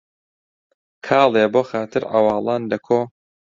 کاڵێ بۆ خاتر عەواڵان لە کۆ